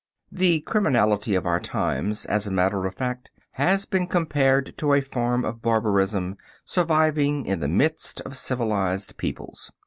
The criminality of our times, as a matter of fact, has been compared to a form of barbarism surviving in the midst of civilized peoples.